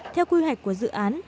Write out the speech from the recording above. theo quy hoạch của dự án